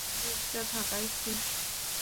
জীবিত থাকায় খুশি।